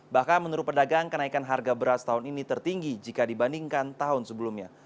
bahkan menurut pedagang kenaikan harga beras tahun ini tertinggi jika dibandingkan tahun sebelumnya